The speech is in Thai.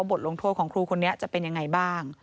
บทลงโทษของครูคนนี้จะเป็นยังไงบ้าง